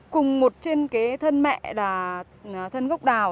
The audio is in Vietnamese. cùng một trên cái thân mẹ là thân gốc đào